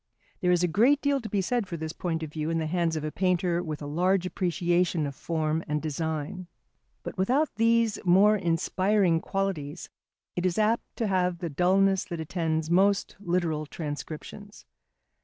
There is a great deal to be said for this point of view in the hands of a painter with a large appreciation of form and design. But without these more inspiring qualities it is apt to have the dulness that attends most literal transcriptions.